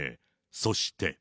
そして。